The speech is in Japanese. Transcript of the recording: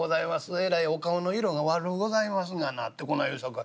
えらいお顔の色が悪うございますがな』ってこない言うさかい